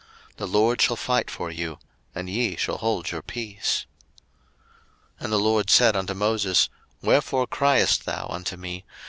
02:014:014 The LORD shall fight for you, and ye shall hold your peace. 02:014:015 And the LORD said unto Moses, Wherefore criest thou unto me?